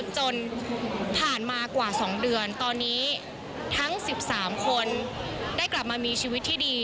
จนผ่านมากว่า๒เดือนตอนนี้ทั้ง๑๓คนได้กลับมามีชีวิตที่ดี